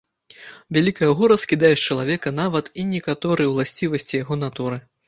Вялікае гора скідае з чалавека нават і некаторыя ўласцівасці яго натуры.